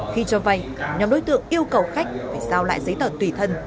khi cho vay nhóm đối tượng yêu cầu khách phải giao lại giấy tờ tùy thân